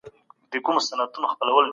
بریالیتوب د ژوند په بېلابېلو برخو کې شته.